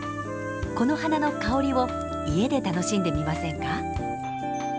この花の香りを家で楽しんでみませんか。